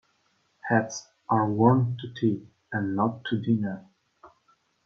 Hats are worn to tea and not to dinner.